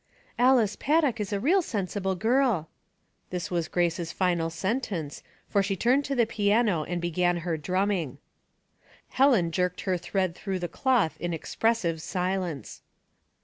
" Alice Paddock is a real sensible girl." Theory. 89 This was Grace's final sentence, for she turned to the piano and began her drumming. Helen jerked her thread through the cloth in expressive silence.